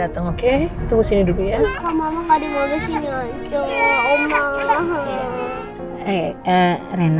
adamu tahu suau rupin comerca biru itu atau apa nya sekarang